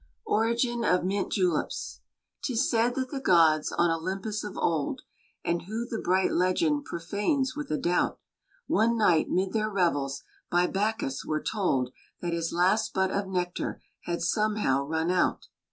ORIGIN OF MINT JULEPS. 'Tis said that the gods, on Olympus of old, (And who the bright legend profanes with a doubt!) One night, 'mid their revels, by Bacchus were told, That his last butt of nectar had somehow run out.